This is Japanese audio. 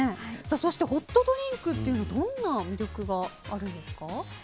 そして、ホットドリンクにはどんな魅力があるんですか？